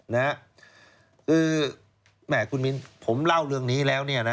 คือแหม่คุณมินผมเล่าเรื่องนี้แล้ว